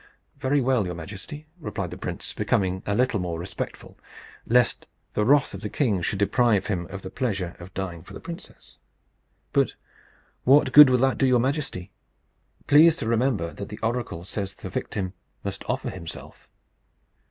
"Very well, your majesty," replied the prince, becoming a little more respectful, lest the wrath of the king should deprive him of the pleasure of dying for the princess. "But what good will that do your majesty? Please to remember that the oracle says the victim must offer himself."